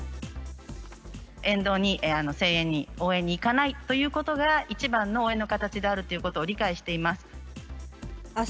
沿道に声援に応援に行かないということが、一番の応援の形であるということを理解しています。